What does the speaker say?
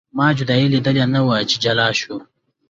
ما جدایي لیدلې نه وه چې جلا شو.